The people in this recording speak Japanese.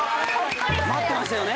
待ってましたよね？